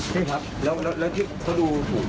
พี่คะเขียนบอกว่าตอนนี้ห่วงลูกใช่ไหมคะ